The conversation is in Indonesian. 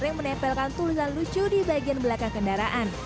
sering menempelkan tulisan lucu di bagian belakang kendaraan